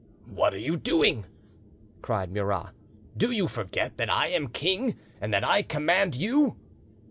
"What are you doing?" cried Murat. "Do you forget that I am king and that I command you?"